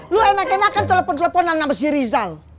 lo enakan enakan telepon teleponan sama si rizal